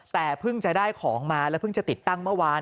แต่เพิ่งจะได้ของมาแล้วเพิ่งจะติดตั้งเมื่อวาน